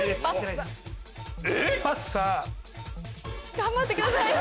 頑張ってください。